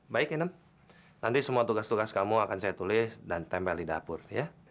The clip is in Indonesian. baik inem nanti semua tugas tugas kamu akan saya tulis dan tempel di dapur ya